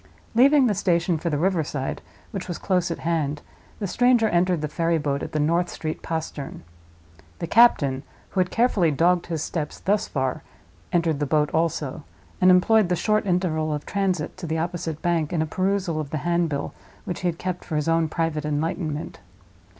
Leaving the station for the river side, which was close at hand, the stranger entered the ferryboat at the North Street Postern. The captain, who had carefully dogged his steps thus far, entered the boat also; and employed the short interval of transit to the opposite bank in a perusal of the handbill which he had kept for his own private enlightenment.